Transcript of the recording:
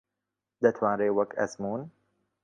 دەتوانرێ وەک ئەزموون